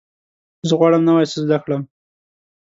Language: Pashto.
زه غواړم نوی څه زده کړم.